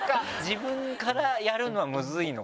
自分からやるのはむずいのか。